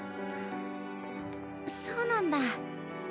そうなんだ。